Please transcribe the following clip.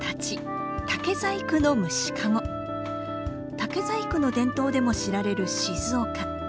竹細工の伝統でも知られる静岡。